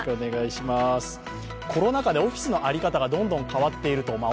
コロナ禍でオフィスの在り方がどんどん変わっていると。